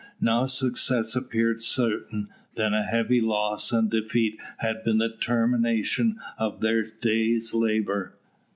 Now success appeared certain, then a heavy loss and defeat had been the termination of their day's labour.